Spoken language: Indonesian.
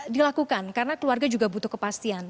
dilakukan karena keluarga juga butuh kepastian